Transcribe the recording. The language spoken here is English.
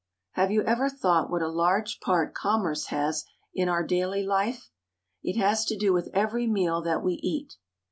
Have you ever thought what a large part commerce has in our daily life? It has to do with every meal that we eat.